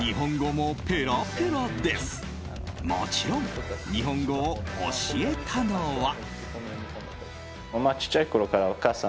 もちろん日本語を教えたのは。